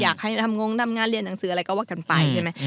อยากให้ทำงงทำงานเรียนหนังสืออะไรก็ว่ากันไปใช่ไหม